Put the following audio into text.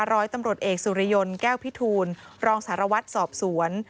ร้อยตำรวจเอกสุริยนต์แก้วพิทูลรองสารวัตรสอบสวน